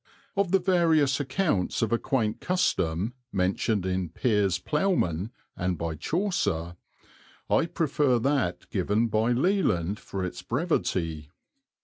Of the various accounts of a quaint custom, mentioned in Piers Plowman and by Chaucer, I prefer that given by Leland, for its brevity.